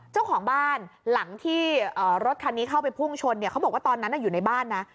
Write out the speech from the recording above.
เจ้าของบ้านหลังที่รถคันนี้เข้าไปพุ่งชนเนี่ยเขาบอกว่าตอนนั้นอยู่ในบ้านนะ